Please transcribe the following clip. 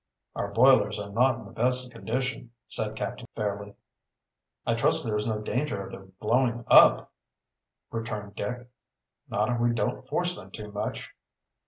"Our boilers are not in the best of condition," said Captain Fairleigh. "I trust there is no danger of their blowing up," returned Dick. "Not if we don't force them too much."